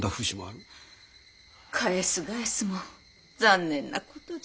返す返すも残念なことじゃ。